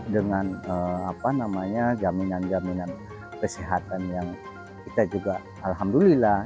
dengan jaminan jaminan kesehatan yang kita juga alhamdulillah